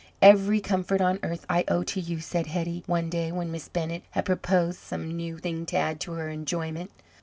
"Every comfort on earth I owe to you," said Hetty, one day, when Miss Bennett had proposed some new thing to add to her enjoyment.